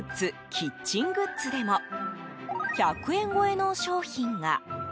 キッチングッズでも１００円超えの商品が。